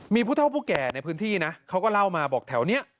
มีผู้เท่าผู้แก่ในพื้นที่นะเขาก็เล่ามาบอกแถวนี้